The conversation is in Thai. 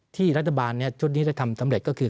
ที่รัฐบาลชุดนี้ได้ทำสำเร็จก็คือ